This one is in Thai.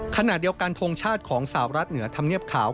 ขณะเดียวกันทงชาติของสาวรัฐเหนือธรรมเนียบขาว